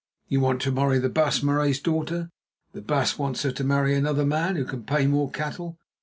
You want to marry the Baas Marais's daughter; the baas wants her to marry another man who can pay more cattle.